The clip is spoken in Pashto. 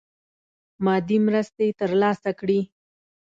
مادي مرستي تر لاسه کړي.